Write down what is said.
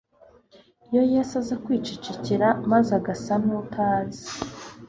Iyo Yesu aza kwicecekera, maze agasa n'utazi